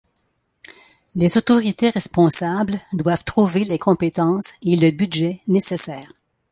Les autorités responsables doivent trouver les compétences et le budget nécessaire.